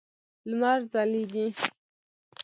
لمر ځلیږی